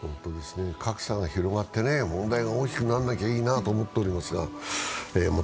格差が広がって問題が大きくならなきゃいいなと思っておりますが。